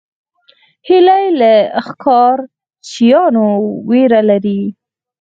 هیلۍ له ښکار چیانو ویره لري